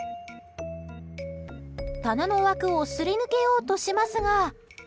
棚の枠をすり抜けようとしますが。